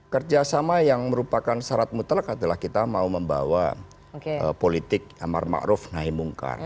kerjasama yang merupakan syarat mutlak adalah kita mau membawa politik amar makruf naimungkar